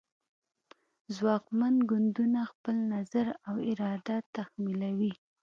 ځواکمن ګوندونه خپل نظر او اراده تحمیلوي